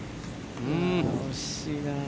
惜しいなあ。